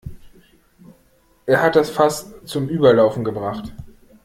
Er hat das Fass zum Überlaufen gebracht.